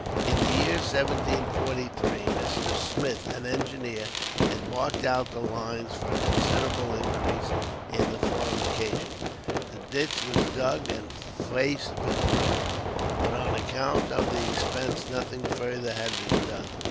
In the year 1743 Mr. Smith, an engineer, had marked out the lines for a considerable increase in the fortifications. The ditch was dug and faced with brick, but on account of the expense, nothing further had been done.